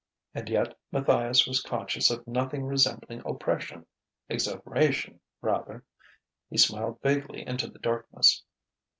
And yet Matthias was conscious of nothing resembling oppression exhilaration, rather. He smiled vaguely into the darkness.